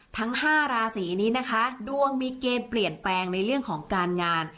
ทั้ง๕ราศีนี้นะคะดวงมีเกณฑ์เปลี่ยนแปลงในเรื่องของการงาน